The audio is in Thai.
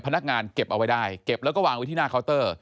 พนักงานเก็บเอาไว้ได้เก็บแล้วก็วางไว้ที่หน้าเคาน์เตอร์